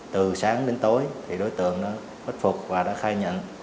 từ sáng đến tối thì đối tượng đã bách phục và đã khai nhận